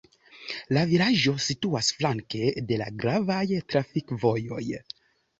La vilaĝo situas flanke de la gravaj trafikvojoj.